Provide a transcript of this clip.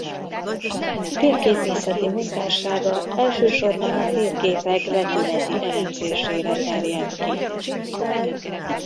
Térképészeti munkássága elsősorban a térképek vetületi elemzésére terjedt ki.